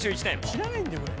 知らないんだよこれ。